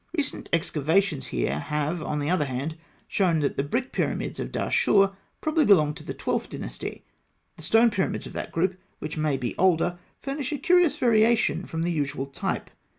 Recent excavations have, on the other hand, shown that the brick pyramids of Dahshûr probably belonged to the Twelfth Dynasty. The stone pyramids of that group, which may be older, furnish a curious variation from the usual type.